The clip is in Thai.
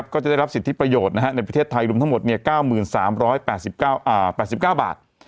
ก็จะได้รับสิทธิประโยชน์ในประเทศไทยรวมทั้งหมด๙๓๘๙บาท